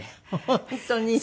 本当に？